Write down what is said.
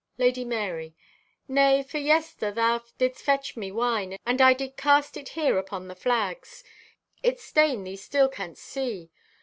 (Lady Marye) "Nay, for yester thou didst fetch me wine, and I did cast it here upon the flags. Its stain thee still canst see.